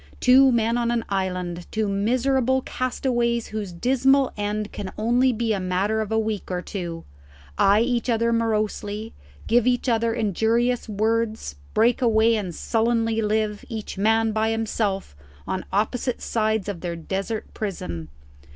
Two men on an island, two miserable castaways whose dismal end can only be a matter of a week or two, eye each other morosely, give each other injurious words, break away and sullenly live, each man by himself, on opposite sides of their desert prison.